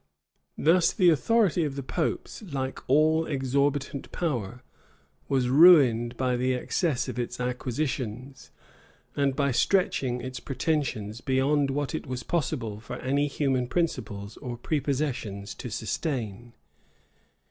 * 26 Henry VIII. cap. 1. Thus the authority of the popes, like all exorbitant power, was ruined by the excess of its acquisitions, and by stretching its pretensions beyond what it was possible for any human principles or prepossessions to sustain.